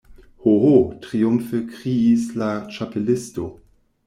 "Ho, ho!" triumfe kriis la Ĉapelisto.